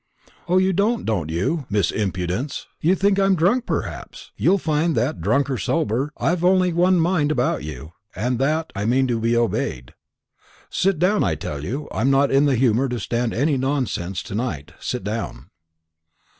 "O, you don't, don't you, Miss Impudence? You think I'm drunk, perhaps. You'll find that, drunk or sober, I've only one mind about you, and that I mean to be obeyed. Sit down, I tell you. I'm not in the humour to stand any nonsense to night. Sit down."